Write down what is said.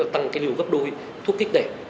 tăng cái liều gấp đôi thuốc kích đẻ